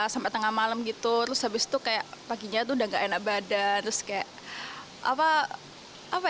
sampai tengah malam gitu terus habis itu kayak paginya tuh udah enak badan terus kayak apa apa